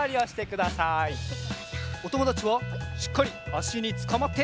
おともだちはしっかりあしにつかまって！